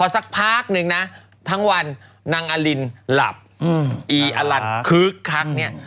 สักพักนึงนะทั้งวันนางอลินหลับอีอลันคึกคักเนี่ย